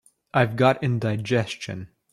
I've got indigestion.